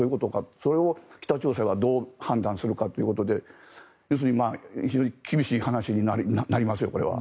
それを北朝鮮はどう判断するかということで要するに非常に厳しい話になりますよ、これは。